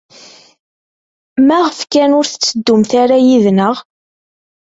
Maɣef kan ur tetteddumt ara yid-neɣ?